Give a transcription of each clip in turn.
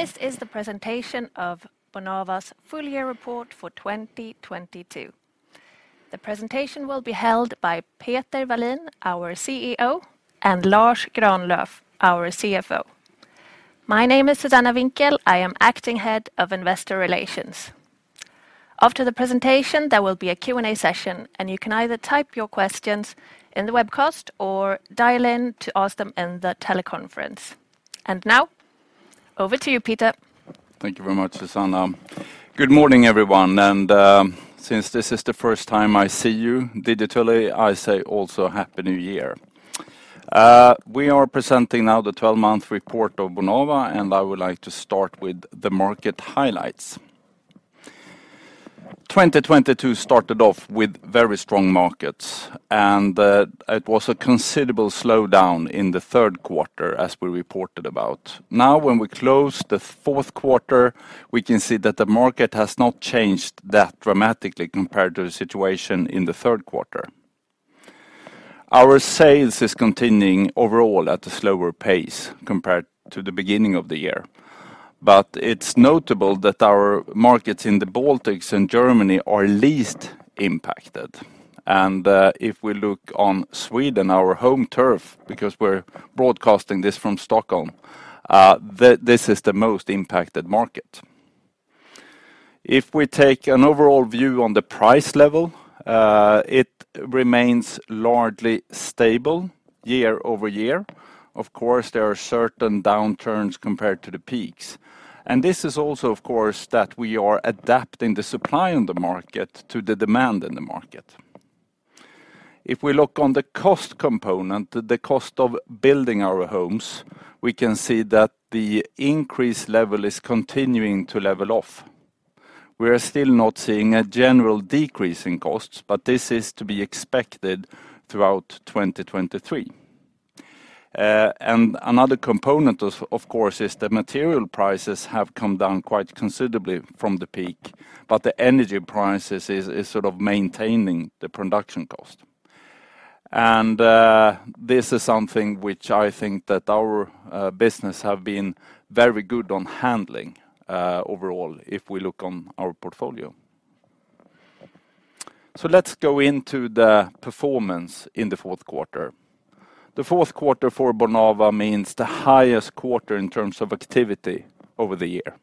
This is the presentation of Bonava's full year report for 2022. The presentation will be held by Peter Wallin, our CEO, and Lars Granlöf, our CFO. My name is Susanna Winkiel. I am acting head of investor relations. After the presentation, there will be a Q&A session. You can either type your questions in the webcast or dial in to ask them in the teleconference. Now, over to you, Peter. Thank you very much, Susanna. Good morning, everyone. Since this is the first time I see you digitally, I say also happy new year. We are presenting now the 12-month report of Bonava, and I would like to start with the market highlights. 2022 started off with very strong markets. It was a considerable slowdown in the Q3 as we reported about. Now when we close the Q4, we can see that the market has not changed that dramatically compared to the situation in the Q3. Our sales is continuing overall at a slower pace compared to the beginning of the year. It's notable that our markets in the Baltics and Germany are least impacted. If we look on Sweden, our home turf, because we're broadcasting this from Stockholm, this is the most impacted market. If we take an overall view on the price level, it remains largely stable year-over-year. Of course, there are certain downturns compared to the peaks. This is also, of course, that we are adapting the supply in the market to the demand in the market. If we look on the cost component, the cost of building our homes, we can see that the increase level is continuing to level off. We are still not seeing a general decrease in costs, but this is to be expected throughout 2023. Another component of course, is the material prices have come down quite considerably from the peak, but the energy prices is sort of maintaining the production cost. This is something which I think that our business have been very good on handling overall if we look on our portfolio. Let's go into the performance in the Q4. The Q4 for Bonava means the highest quarter in terms of activity over the year.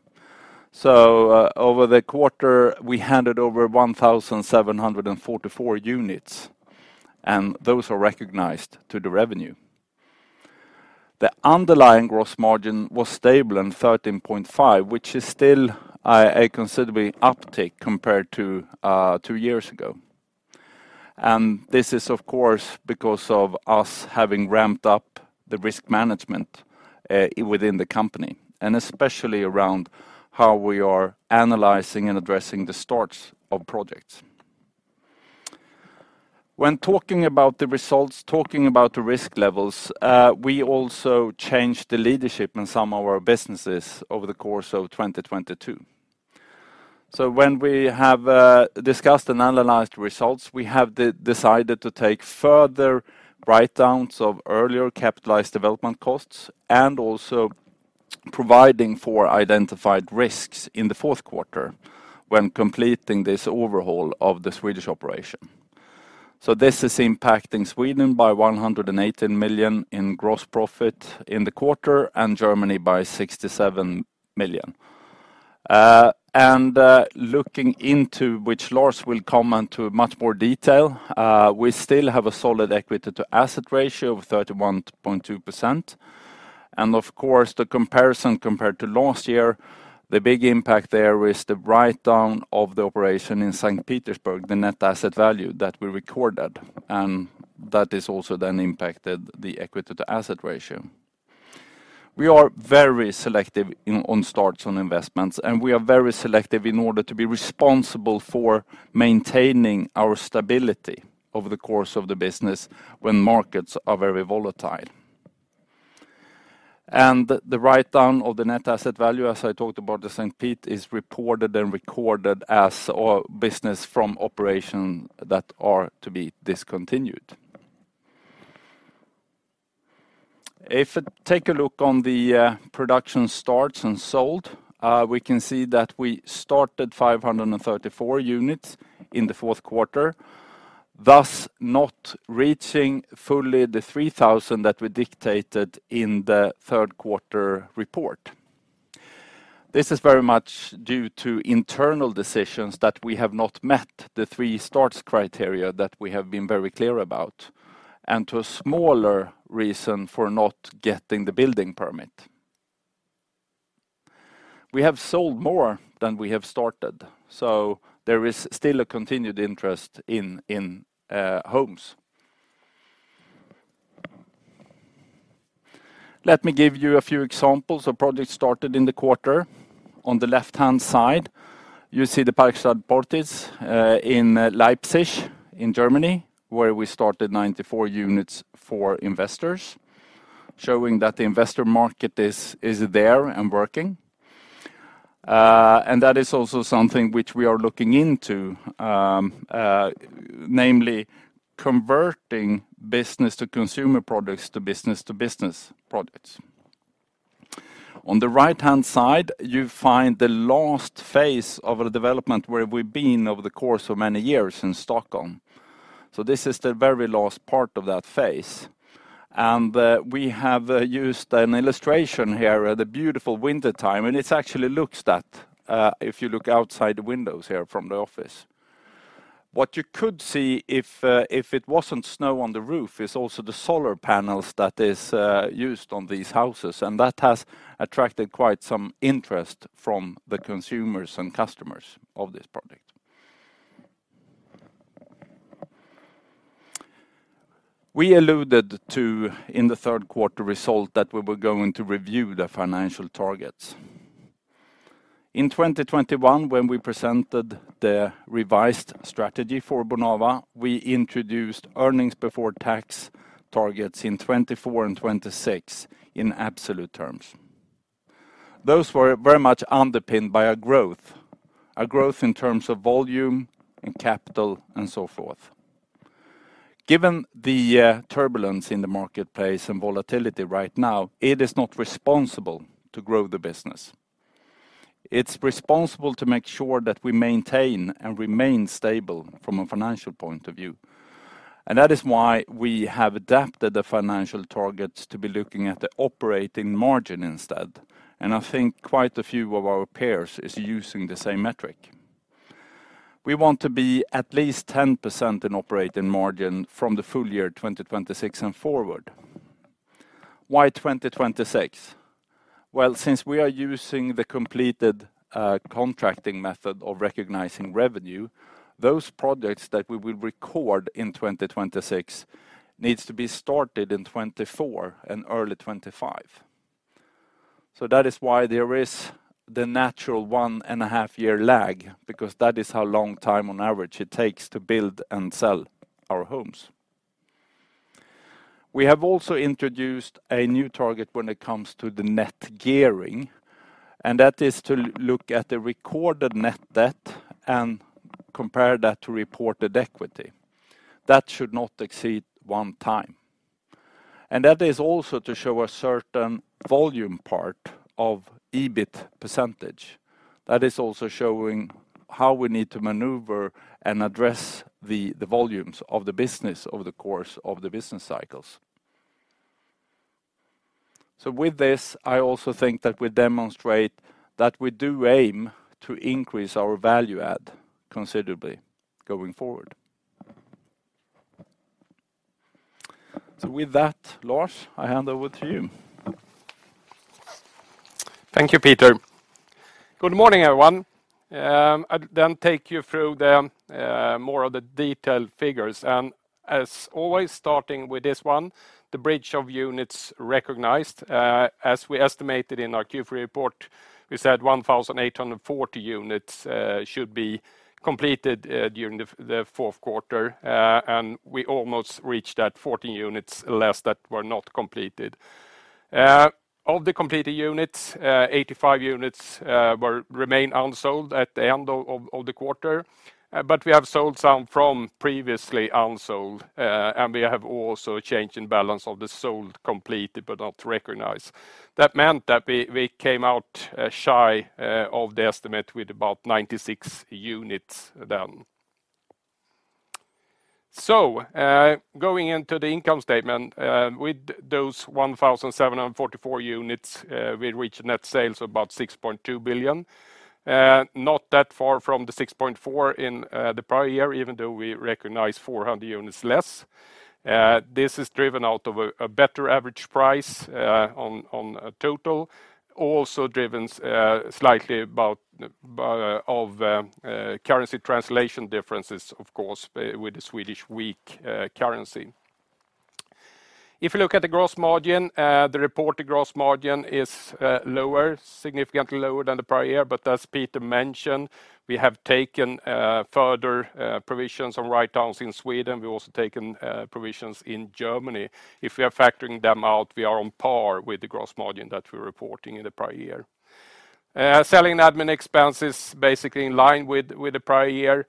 Over the quarter, we handed over 1,744 units, and those are recognized to the revenue. The underlying gross margin was stable in 13.5%, which is still a considerable uptick compared to 2 years ago. This is of course because of us having ramped up the risk management within the company. Especially around how we are analyzing and addressing the starts of projects. When talking about the results, talking about the risk levels, we also changed the leadership in some of our businesses over the course of 2022. When we have discussed and analyzed results, we have decided to take further write-downs of earlier capitalized development costs and also providing for identified risks in the Q4 when completing this overhaul of the Swedish operation. This is impacting Sweden by 118 million in gross profit in the quarter and Germany by 67 million. Looking into which laws will come into much more detail, we still have a solid equity to asset ratio of 31.2%. Of course, the comparison compared to last year, the big impact there is the write-down of the operation in St. Petersburg, the net asset value that we recorded. That is also then impacted the equity to asset ratio. We are very selective in, on starts on investments, and we are very selective in order to be responsible for maintaining our stability over the course of the business when markets are very volatile. The write-down of the net asset value, as I talked about St. Pete, is reported and recorded as our business from operation that are to be discontinued. If take a look on the production starts and sold, we can see that we started 534 units in the Q4, thus not reaching fully the 3,000 that we dictated in the Q3 report. This is very much due to internal decisions that we have not met the 3 starts criteria that we have been very clear about, and to a smaller reason for not getting the building permit. We have sold more than we have started, there is still a continued interest in homes. Let me give you a few examples of projects started in the quarter. On the left-hand side, you see the Parkstadt Quartier in Leipzig in Germany, where we started 94 units for investors, showing that the investor market is there and working. That is also something which we are looking into, namely converting B2C products to B2B products. On the right-hand side, you find the last phase of the development where we've been over the course of many years in Stockholm. This is the very last part of that phase. We have used an illustration here of the beautiful wintertime, and it actually looks that if you look outside the windows here from the office. What you could see if it wasn't snow on the roof is also the solar panels that is used on these houses, and that has attracted quite some interest from the consumers and customers of this project. We alluded to in the Q3 result that we were going to review the financial targets. In 2021 when we presented the revised strategy for Bonava, we introduced earnings before tax targets in 2024 and 2026 in absolute terms. Those were very much underpinned by our growth, our growth in terms of volume and capital and so forth. Given the turbulence in the marketplace and volatility right now, it is not responsible to grow the business. It's responsible to make sure that we maintain and remain stable from a financial point of view. That is why we have adapted the financial targets to be looking at the operating margin instead. I think quite a few of our peers is using the same metric. We want to be at least 10% in operating margin from the full year 2026 and forward. Why 2026? Well, since we are using the completed-contract method of recognizing revenue, those projects that we will record in 2026 needs to be started in 2024 and early 2025. That is why there is the natural one and a half year lag because that is how long time on average it takes to build and sell our homes. We have also introduced a new target when it comes to the net gearing, and that is to look at the recorded net debt and compare that to reported equity. That should not exceed one time. That is also to show a certain volume part of EBIT percentage. That is also showing how we need to maneuver and address the volumes of the business over the course of the business cycles. With this, I also think that we demonstrate that we do aim to increase our value add considerably going forward. With that, Lars, I hand over to you. Thank you, Peter. Good morning, everyone. I'll then take you through the more of the detailed figures. As always, starting with this one, the bridge of units recognized. As we estimated in our Q3 report, we said 1,840 units should be completed during the Q4. We almost reached that. 14 units less that were not completed. Of the completed units, 85 units remain unsold at the end of the quarter. We have sold some from previously unsold. We have also a change in balance of the sold completed but not recognized. That meant that we came out shy of the estimate with about 96 units down. Going into the income statement, with those 1,744 units, we reached net sales of about 6.2 billion. Not that far from the 6.4 billion in the prior year, even though we recognized 400 units less. This is driven out of a better average price on a total. Also driven slightly about of currency translation differences, of course, with the Swedish weak currency. If you look at the gross margin, the reported gross margin is lower, significantly lower than the prior year. As Peter mentioned, we have taken further provisions on write-downs in Sweden. We've also taken provisions in Germany. If we are factoring them out, we are on par with the gross margin that we're reporting in the prior year. Selling admin expenses basically in line with the prior year.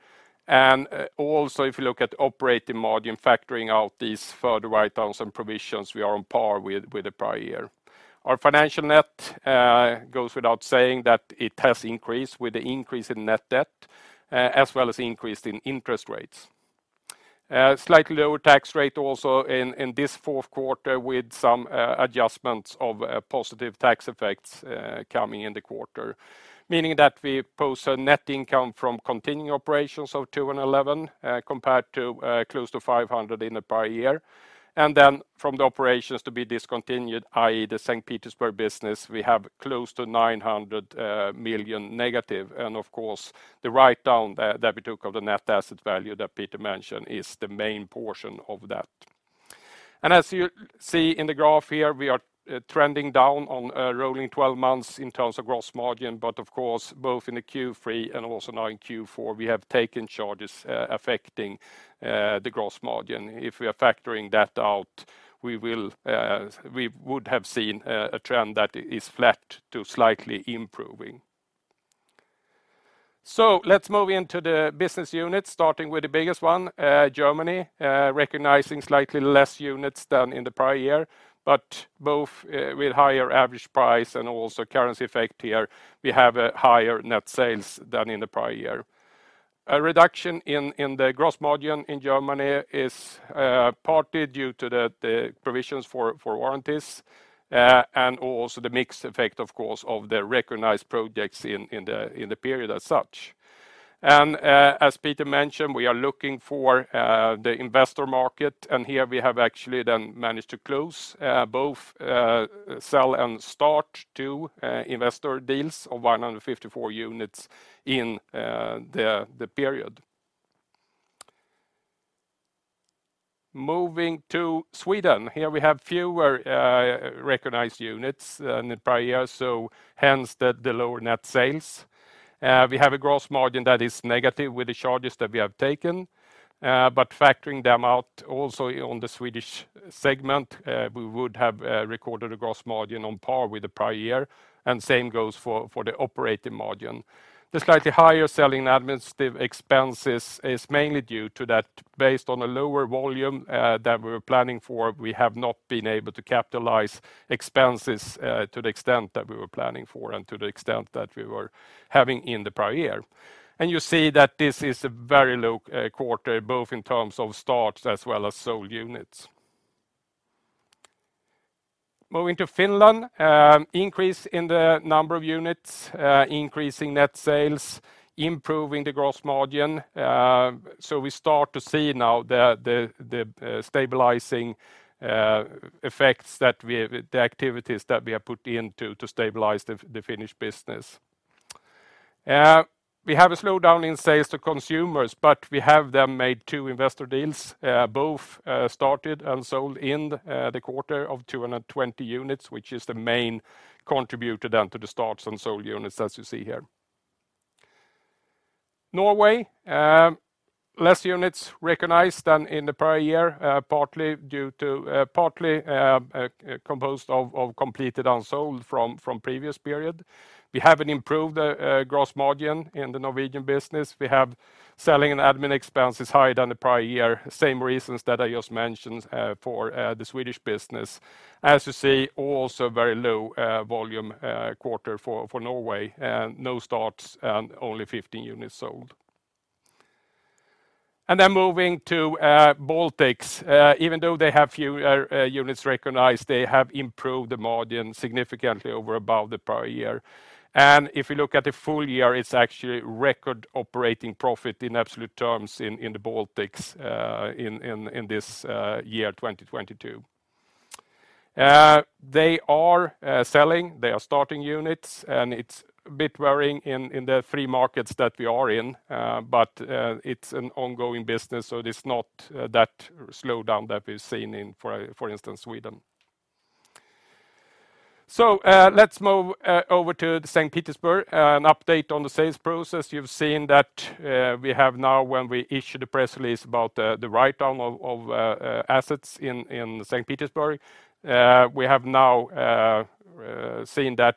Also, if you look at operating margin, factoring out these further write-downs and provisions, we are on par with the prior year. Our financial net goes without saying that it has increased with the increase in net debt, as well as increase in interest rates. Slightly lower tax rate also in this Q4 with some adjustments of positive tax effects coming in the quarter. We post a net income from continuing operations of 211 million compared to close to 500 million in the prior year. From the operations to be discontinued, i.e., the St. Petersburg business, we have close to 900 million negative. Of course, the write-down that we took of the net asset value that Peter mentioned is the main portion of that. As you see in the graph here, we are trending down on rolling 12 months in terms of gross margin. Of course, both in the Q3 and also now in Q4, we have taken charges affecting the gross margin. If we are factoring that out, we would have seen a trend that is flat to slightly improving. Let's move into the business units, starting with the biggest one, Germany, recognizing slightly less units than in the prior year, but both with higher average price and also currency effect here, we have a higher net sales than in the prior year. A reduction in the gross margin in Germany is partly due to the provisions for warranties and also the mixed effect, of course, of the recognized projects in the period as such. As Peter mentioned, we are looking for the investor market, and here we have actually then managed to close both sell and start 2 investor deals of 154 units in the period. Moving to Sweden, here we have fewer recognized units than the prior year, hence the lower net sales. We have a gross margin that is negative with the charges that we have taken, but factoring them out also on the Swedish segment, we would have recorded a gross margin on par with the prior year, and same goes for the operating margin. The slightly higher selling administrative expenses is mainly due to that based on a lower volume, that we were planning for, we have not been able to capitalize expenses, to the extent that we were planning for and to the extent that we were having in the prior year. You see that this is a very low quarter, both in terms of starts as well as sold units. Moving to Finland, increase in the number of units, increasing net sales, improving the gross margin. We start to see now the stabilizing activities that we have put in to stabilize the Finnish business. We have a slowdown in sales to consumers. We have then made 2 investor deals, both started and sold in the quarter of 220 units, which is the main contributor then to the starts and sold units as you see here. Norway, less units recognized than in the prior year, partly due to, partly composed of completed and sold from previous period. We have an improved gross margin in the Norwegian business. We have selling and admin expenses higher than the prior year, same reasons that I just mentioned, for the Swedish business. As you see, also very low volume quarter for Norway, no starts and only 50 units sold. Moving to Baltics. Even though they have fewer units recognized, they have improved the margin significantly over above the prior year. If you look at the full year, it's actually record operating profit in absolute terms in the Baltics in this year, 2022. They are selling, they are starting units. It's a bit worrying in the 3 markets that we are in. It's an ongoing business. It is not that slowdown that we've seen in for instance, Sweden. Let's move over to Saint Petersburg, an update on the sales process. You've seen that we have now when we issued a press release about the write-down of assets in Saint Petersburg, we have now seen that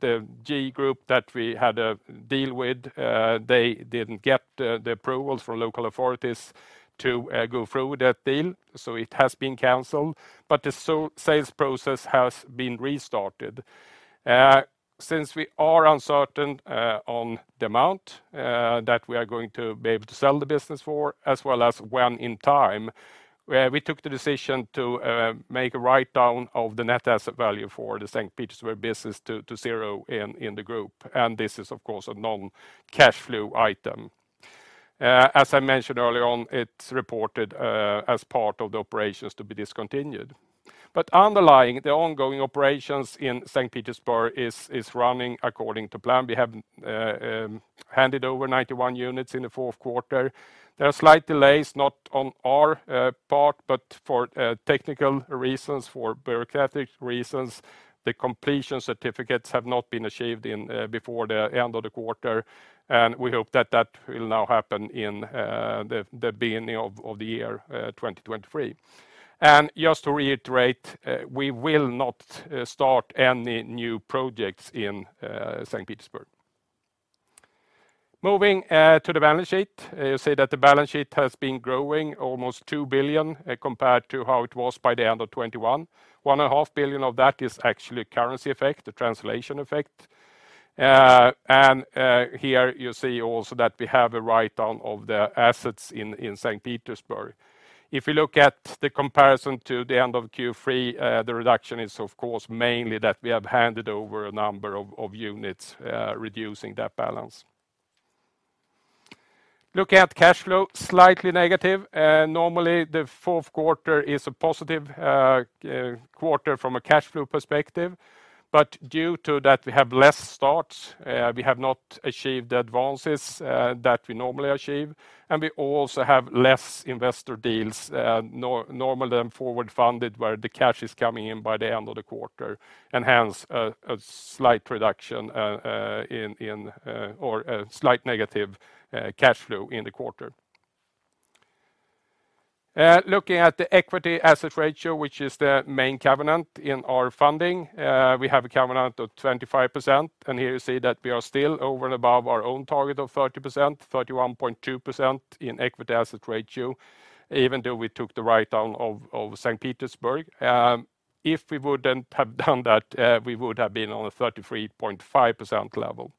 the G-Group that we had a deal with, they didn't get the approvals from local authorities to go through with that deal. It has been canceled, but the sales process has been restarted. Since we are uncertain on the amount that we are going to be able to sell the business for, as well as when in time, we took the decision to make a write-down of the net asset value for the Saint Petersburg business to 0 in the group. This is of course a non-cash flow item. As I mentioned earlier on, it's reported as part of the operations to be discontinued. Underlying the ongoing operations in Saint Petersburg is running according to plan. We have handed over 91 units in the Q4. There are slight delays, not on our part, but for technical reasons, for bureaucratic reasons. The completion certificates have not been achieved before the end of the quarter, and we hope that that will now happen in the beginning of the year 2023. Just to reiterate, we will not start any new projects in Saint Petersburg. Moving to the balance sheet. You see that the balance sheet has been growing almost 2 billion compared to how it was by the end of 2021. one and a half billion of that is actually currency effect, the translation effect. Here you see also that we have a write-down of the assets in Saint Petersburg. If you look at the comparison to the end of Q3, the reduction is of course mainly that we have handed over a number of units, reducing that balance. Looking at cash flow, slightly negative. Normally the Q4 is a positive quarter from a cash flow perspective, but due to that we have less starts, we have not achieved the advances that we normally achieve, and we also have less investor deals, normally forward funded, where the cash is coming in by the end of the quarter, and hence a slight reduction, or a slight negative cash flow in the quarter. Looking at the equity to asset ratio, which is the main covenant in our funding, we have a covenant of 25%, and here you see that we are still over and above our own target of 30%, 31.2% in equity to asset ratio even though we took the write-down of Saint Petersburg. If we wouldn't have done that, we would have been on a 33.5% level.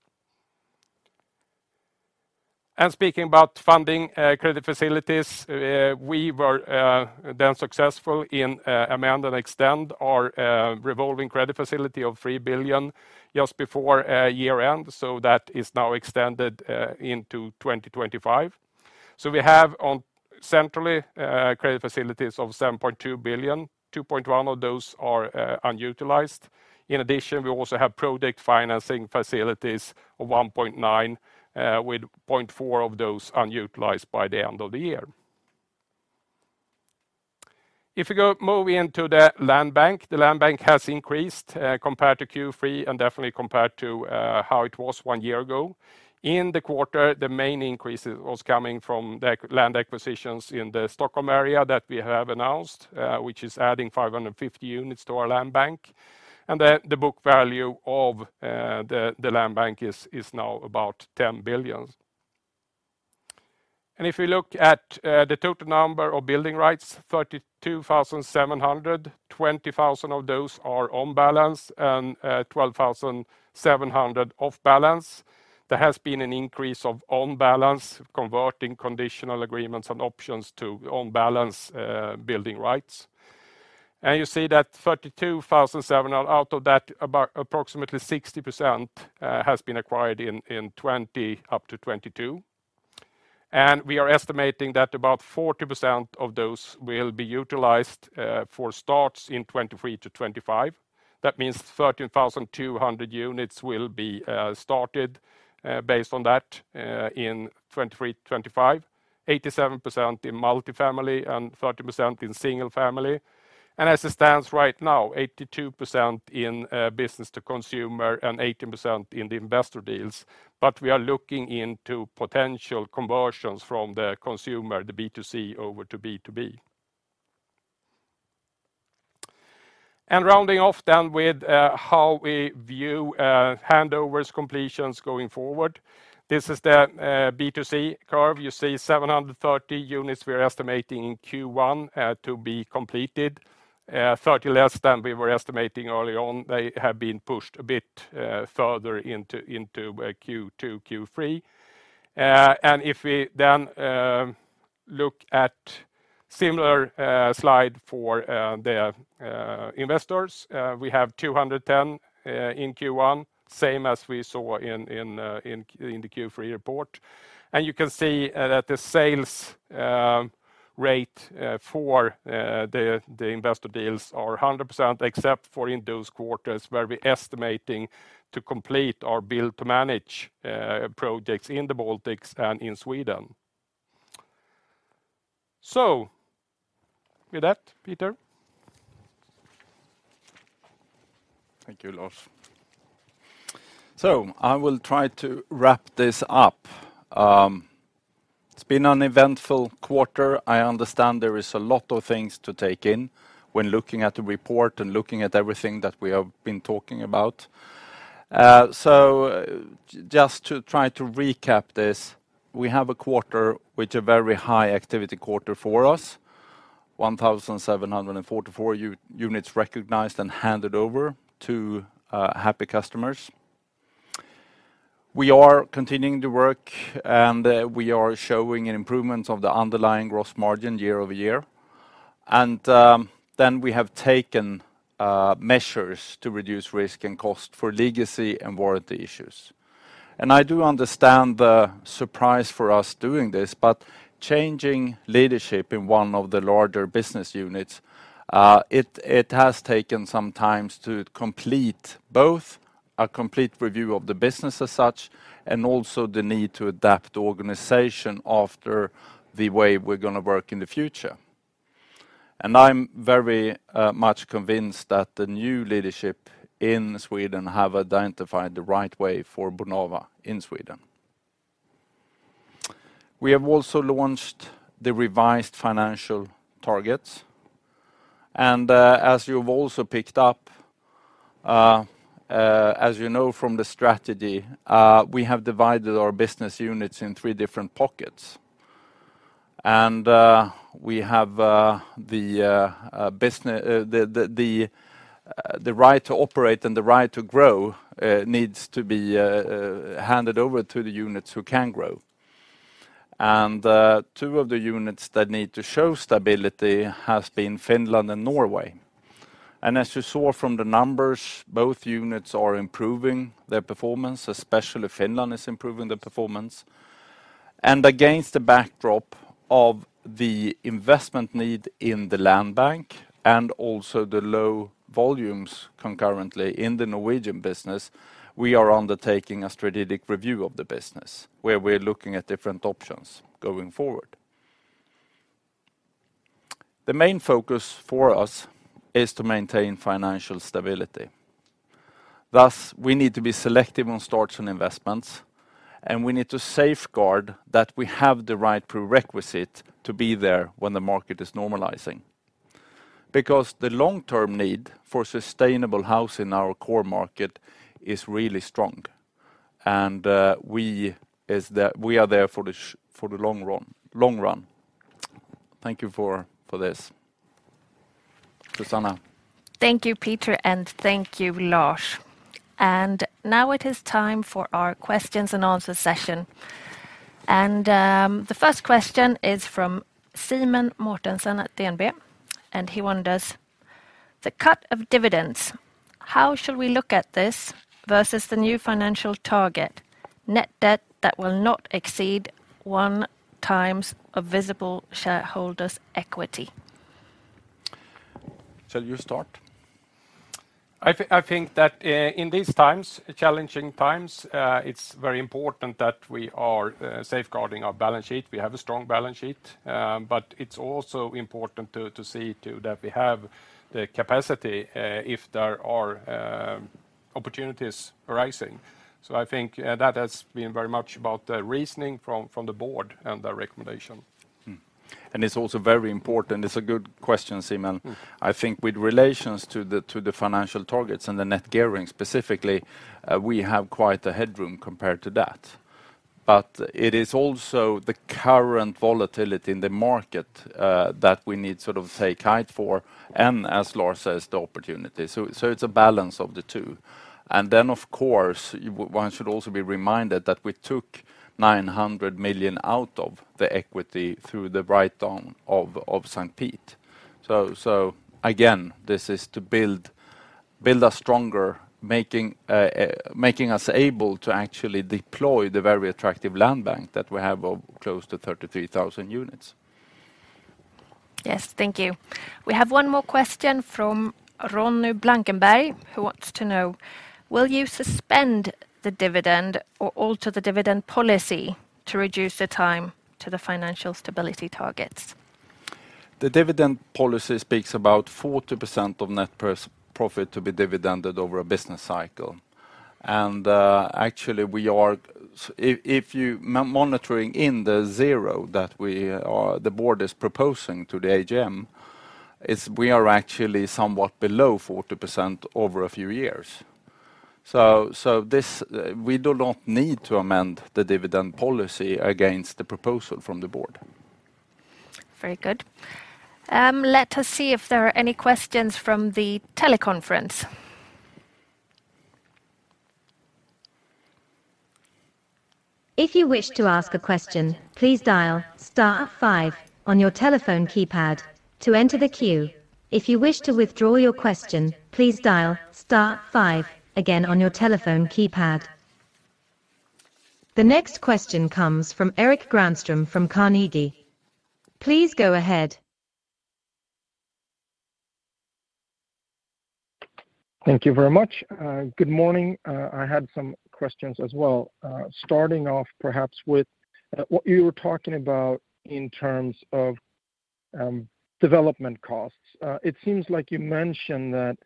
Speaking about funding, credit facilities, we were then successful in amend and extend our revolving credit facility of 3 billion just before year end. That is now extended into 2025. We have on centrally credit facilities of 7.2 billion. 2.1 billion of those are unutilized. In addition, we also have project financing facilities of 1.9 billion, with 0.4 billion of those unutilized by the end of the year. If you move into the land bank, the land bank has increased compared to Q3 and definitely compared to how it was one year ago. In the quarter, the main increase was coming from the land acquisitions in the Stockholm area that we have announced, which is adding 550 units to our land bank. The book value of the land bank is now about 10 billion. If you look at the total number of building rights, 32,700, 20,000 of those are on balance and 12,700 off balance. There has been an increase of on-balance converting conditional agreements and options to on-balance building rights. You see that 32,700, out of that, about approximately 60%, has been acquired in 2020 up to 2022. We are estimating that about 40% of those will be utilized, for starts in 2023 to 2025. That means 13,200 units will be started, based on that, in 2023, 2025. 87% in multifamily and 30% in single family. As it stands right now, 82% in business to consumer and 18% in the investor deals. We are looking into potential conversions from the consumer, the B2C over to B2B. Rounding off then with how we view handovers, completions going forward. This is the B2C curve. You see 730 units we are estimating in Q1 to be completed. 30 less than we were estimating early on. They have been pushed a bit further into Q2, Q3. If we then look at similar slide for the investors, we have 210 in Q1, same as we saw in the Q3 report. You can see that the sales rate for the investor deals are 100% except for in those quarters where we're estimating to complete our build to manage projects in the Baltics and in Sweden. With that, Peter. Thank you, Lars. I will try to wrap this up. It's been an eventful quarter. I understand there is a lot of things to take in when looking at the report and looking at everything that we have been talking about. Just to try to recap this, we have a quarter which a very high activity quarter for us. 1,744 units recognized and handed over to happy customers. We are continuing to work, and we are showing an improvement of the underlying gross margin year-over-year. Then we have taken measures to reduce risk and cost for legacy and warranty issues. I do understand the surprise for us doing this, but changing leadership in one of the larger business units, it has taken some time to complete both a complete review of the business as such and also the need to adapt the organization after the way we're going to work in the future. I'm very much convinced that the new leadership in Sweden have identified the right way for Bonava in Sweden. We have also launched the revised financial targets. As you've also picked up, as you know from the strategy, we have divided our business units in 3 different pockets. We have the right to operate and the right to grow needs to be handed over to the units who can grow. 2 of the units that need to show stability has been Finland and Norway. As you saw from the numbers, both units are improving their performance, especially Finland is improving the performance. Against the backdrop of the investment need in the land bank and also the low volumes concurrently in the Norwegian business, we are undertaking a strategic review of the business, where we're looking at different options going forward. The main focus for us is to maintain financial stability. Thus, we need to be selective on starts and investments, and we need to safeguard that we have the right prerequisite to be there when the market is normalizing. The long-term need for sustainable housing in our core market is really strong. We are there for the long run. Thank you for this. Susanna? Thank you, Peter, and thank you, Lars. Now it is time for our questions and answer session. The first question is from Simen Mortensen at DNB. He wonders, the cut of dividends, how should we look at this versus the new financial target, net debt that will not exceed 1 times of visible shareholders' equity? Shall you start? I think that, in these times, challenging times, it's very important that we are safeguarding our balance sheet. We have a strong balance sheet, but it's also important to see too that we have the capacity, if there are opportunities arising. I think that has been very much about the reasoning from the board and the recommendation. It's also very important. It's a good question, Simen. I think with relations to the financial targets and the net gearing specifically, we have quite a headroom compared to that. It is also the current volatility in the market that we need sort of take height for and, as Lars says, the opportunity. So it's a balance of the 2. Of course, one should also be reminded that we took 900 million out of the equity through the write down of St. Pete. So again, this is to build us stronger, making us able to actually deploy the very attractive land bank that we have of close to 33,000 units. Yes. Thank you. We have one more question from Ronny Blankenberg, who wants to know, will you suspend the dividend or alter the dividend policy to reduce the time to the financial stability targets? The dividend policy speaks about 40% of net profit to be dividended over a business cycle. Actually we are... If you monitoring in the 0 that the board is proposing to the AGM, is we are actually somewhat below 40% over a few years. So this, we do not need to amend the dividend policy against the proposal from the board. Very good. Let us see if there are any questions from the teleconference. If you wish to ask a question, please dial star 5 on your telephone keypad to enter the queue. If you wish to withdraw your question, please dial star 5 again on your telephone keypad. The next question comes from Erik Granström from Carnegie. Please go ahead. Thank you very much. Good morning. I had some questions as well, starting off perhaps with, what you were talking about in terms of, development costs. It seems like you mentioned that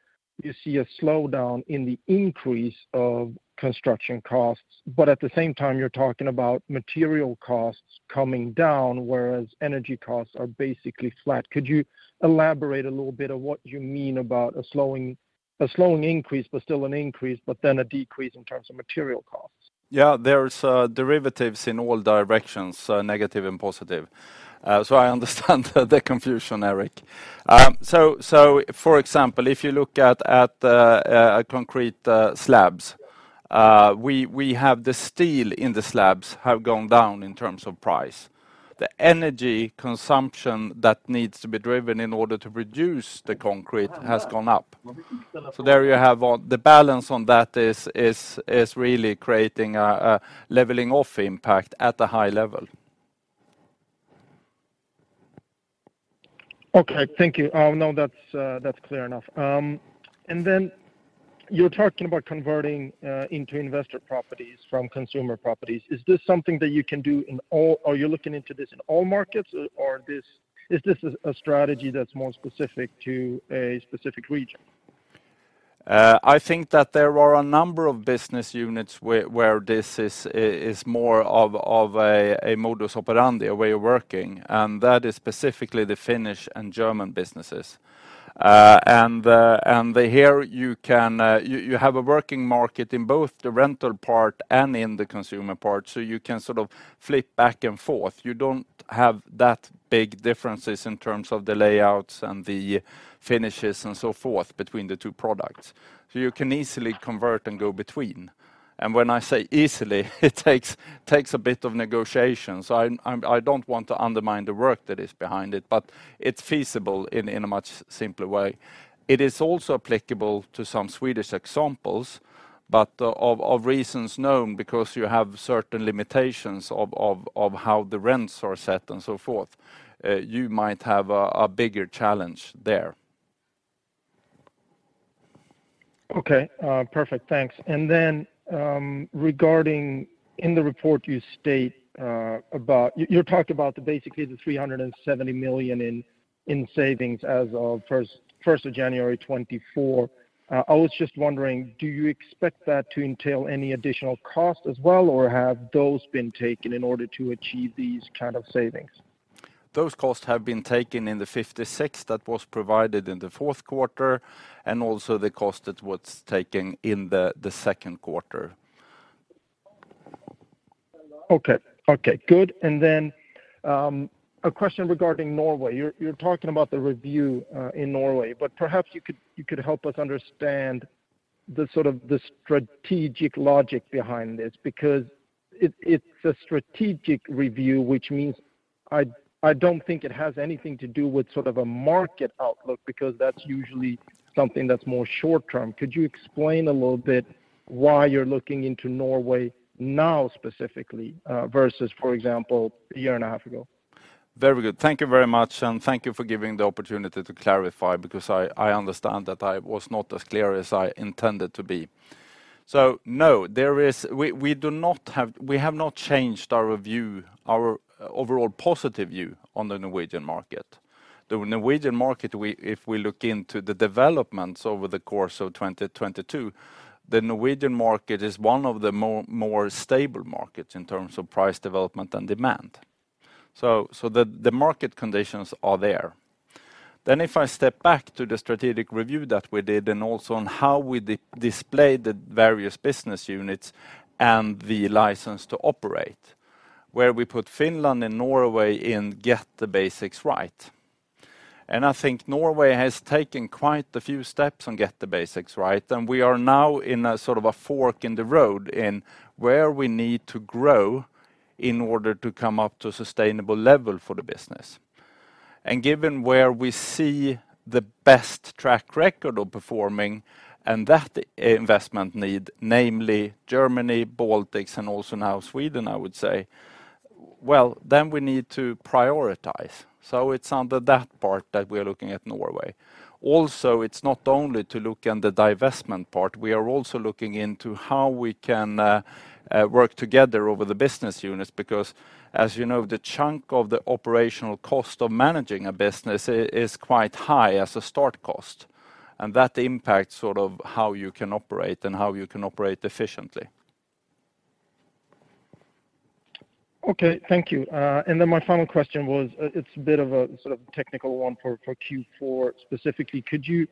you see a slowdown in the increase of construction costs, but at the same time you're talking about material costs coming down, whereas energy costs are basically flat. Could you elaborate a little bit of what you mean about a slowing increase, but still an increase, but then a decrease in terms of material costs? Yeah. There is derivatives in all directions, negative and positive. I understand the confusion, Eric. For example, if you look at a concrete slabs, we have the steel in the slabs have gone down in terms of price. The energy consumption that needs to be driven in order to produce the concrete has gone up. There you have all the balance on that is really creating a leveling off impact at a high level. Okay. Thank you. No, that's clear enough. Then you're talking about converting into investor properties from consumer properties. Are you looking into this in all markets? Is this a strategy that's more specific to a specific region? I think that there are a number of business units where this is more of a, of a modus operandi, a way of working, and that is specifically the Finnish and German businesses. Here you can, you have a working market in both the rental part and in the consumer part, so you can sort of flip back and forth. You don't have that big differences in terms of the layouts and the finishes and so forth between the 2 products. You can easily convert and go between. When I say easily, it takes a bit of negotiation. I don't want to undermine the work that is behind it, but it's feasible in a much simpler way. It is also applicable to some Swedish examples, but of reasons known because you have certain limitations of how the rents are set and so forth. You might have a bigger challenge there. Okay. Perfect. Thanks. Regarding in the report you state, You talked about the basically the 370 million in savings as of first of January 2024. I was just wondering, do you expect that to entail any additional cost as well, or have those been taken in order to achieve these kind of savings? Those costs have been taken in the 56 that was provided in the Q4, and also the cost that was taken in the Q2. Okay. Okay, good. A question regarding Norway. You're talking about the review in Norway, but perhaps you could help us understand the sort of the strategic logic behind this because it's a strategic review, which means I don't think it has anything to do with sort of a market outlook, because that's usually something that's more short-term. Could you explain a little bit why you're looking into Norway now specifically, versus, for example, a year and a half ago? Very good. Thank you very much. Thank you for giving the opportunity to clarify because I understand that I was not as clear as I intended to be. No, we have not changed our view, our overall positive view on the Norwegian market. The Norwegian market, if we look into the developments over the course of 2022, the Norwegian market is one of the more stable markets in terms of price development and demand. The market conditions are there. If I step back to the strategic review that we did and also on how we displayed the various business units and the license to operate, where we put Finland and Norway in get the basics right. I think Norway has taken quite a few steps on get the basics right, and we are now in a sort of a fork in the road in where we need to grow in order to come up to a sustainable level for the business. Given where we see the best track record of performing and that investment need, namely Germany, Baltics, and also now Sweden, I would say, well, then we need to prioritize. It's under that part that we are looking at Norway. It's not only to look in the divestment part, we are also looking into how we can work together over the business units, because as you know, the chunk of the operational cost of managing a business is quite high as a start cost, and that impacts sort of how you can operate and how you can operate efficiently. Okay, thank you. Then my final question was, it's a bit of a sort of technical one for Q4 specifically. Could you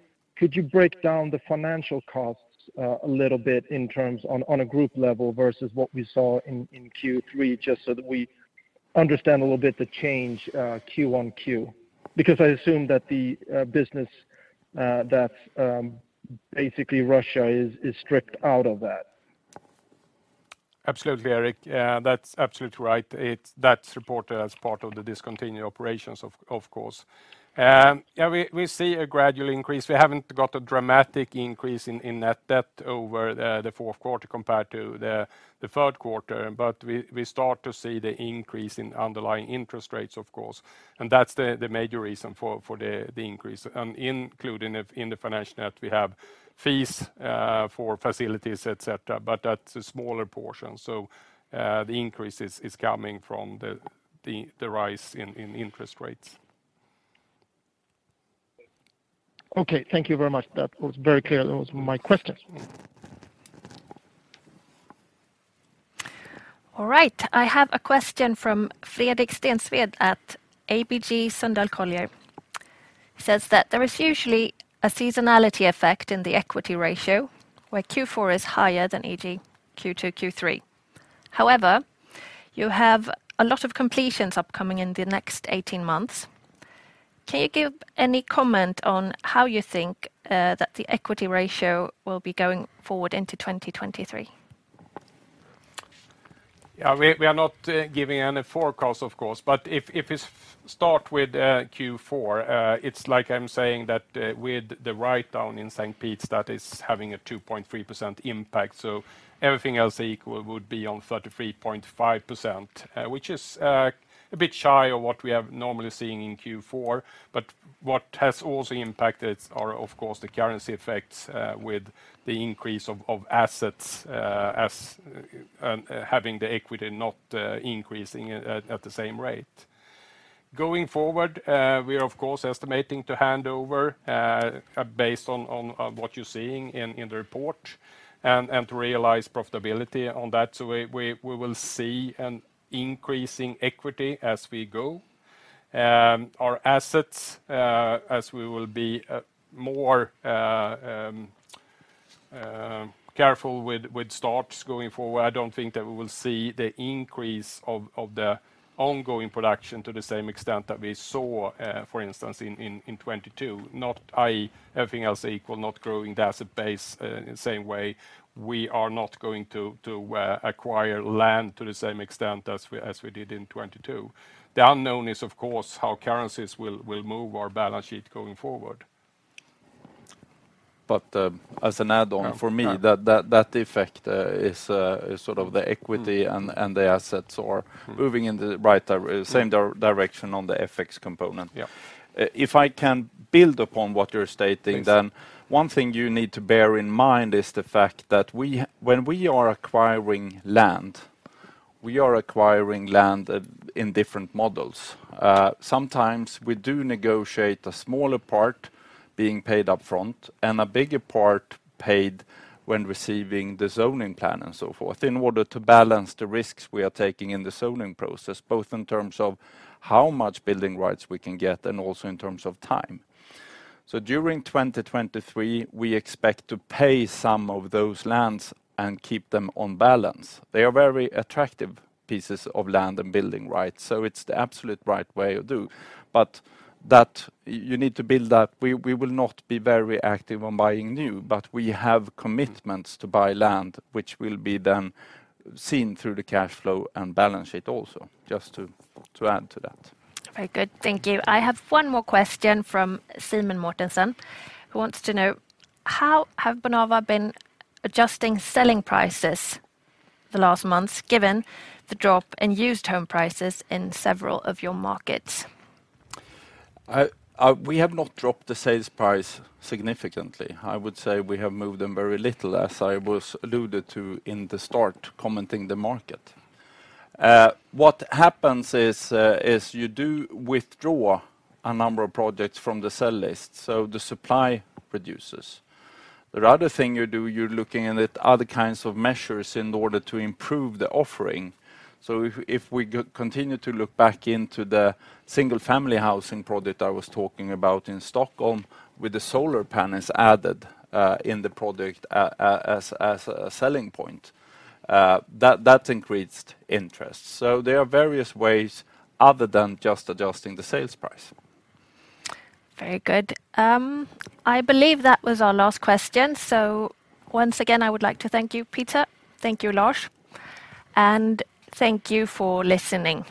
break down the financial costs a little bit in terms on a group level versus what we saw in Q3, just so that we understand a little bit the change Q on Q? I assume that the business that basically Russia is stripped out of that. Absolutely, Erik. That's absolutely right. That's reported as part of the discontinued operations of course. Yeah, we see a gradual increase. We haven't got a dramatic increase in net debt over the Q4 compared to the Q3, but we start to see the increase in underlying interest rates, of course. That's the major reason for the increase. Including in the financial net, we have fees for facilities, et cetera, but that's a smaller portion. The increase is coming from the rise in interest rates. Thank you very much. That was very clear. Those were my questions. All right. I have a question from Fredrik Stensved at ABG Sundal Collier. Says that there is usually a seasonality effect in the equity ratio, where Q4 is higher than e.g. Q2, Q3. However, you have a lot of completions upcoming in the next 18 months. Can you give any comment on how you think that the equity ratio will be going forward into 2023? Yeah, we are not giving any forecast, of course, but if it's start with Q4, it's like I'm saying that with the write down in St. Pete's, that is having a 2.3% impact. Everything else equal would be on 33.5%, which is a bit shy of what we have normally seen in Q4. What has also impacted are of course the currency effects with the increase of assets as having the equity not increasing at the same rate. Going forward, we are of course estimating to hand over based on what you're seeing in the report and to realize profitability on that. We will see an increasing equity as we go. Our assets, as we will be more careful with starts going forward, I don't think that we will see the increase of the ongoing production to the same extent that we saw, for instance, in 2022. Not, i.e., everything else equal, not growing the asset base in the same way. We are not going to acquire land to the same extent as we did in 2022. The unknown is of course how currencies will move our balance sheet going forward. As an add-on. Yeah For me, that effect, is sort of the equity and the, and the assets are moving in the same direction on the FX component. Yeah. If I can build upon what you're stating. Please... one thing you need to bear in mind is the fact that when we are acquiring land in different models. Sometimes we do negotiate a smaller part being paid up front and a bigger part paid when receiving the zoning plan and so forth in order to balance the risks we are taking in the zoning process, both in terms of how much building rights we can get and also in terms of time. During 2023, we expect to pay some of those lands and keep them on balance. They are very attractive pieces of land and building rights, so it's the absolute right way to do. That you need to build up. We will not be very active on buying new, but we have commitments to buy land which will be then seen through the cash flow and balance sheet also, just to add to that. Very good. Thank you. I have one more question from Simen Mortensen, who wants to know how have Bonava been adjusting selling prices the last months, given the drop in used home prices in several of your markets? I, we have not dropped the sales price significantly. I would say we have moved them very little, as I was alluded to in the start commenting the market. What happens is you do withdraw a number of projects from the sell list, so the supply reduces. The other thing you do, you're looking at it other kinds of measures in order to improve the offering. If, if we continue to look back into the single family housing project I was talking about in Stockholm with the solar panels added, in the project as a selling point, that increased interest. There are various ways other than just adjusting the sales price. Very good. I believe that was our last question. Once again, I would like to thank you, Peter. Thank you, Lars, and thank you for listening.